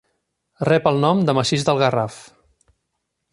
Rep el nom de Massís del Garraf.